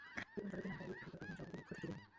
এবং যতদিন আমরা এরূপ ভাবি, ততদিন জগতে দুঃখ থাকিবে।